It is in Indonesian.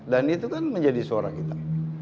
dan itu kan menjadi suara kita